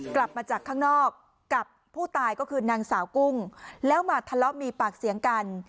กลับมาจากข้างนอกกับผู้ตายก็คือนางสาวกุ้งแล้วมาทะเลาะมีปากเสียงกัน